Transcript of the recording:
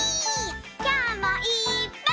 きょうもいっぱい。